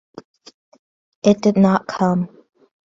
It did not come.